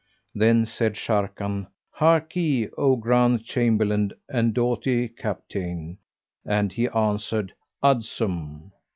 Then said Sharrkan, "Harkye, O grand Chamberlain and doughty Capitayne!" and he answered, "Adsum!"